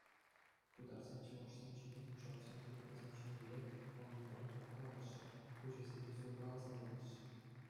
Тутарсем чӑвашсем ҫине, чӑвашсем тутарӗсем ҫинелле кӑн-кӑн пӑхкалаҫҫӗ, пуҫӗсене сулкаласа илеҫҫӗ.